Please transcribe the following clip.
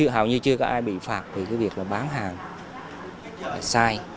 hầu như chưa có ai bị phạt vì cái việc là bán hàng sai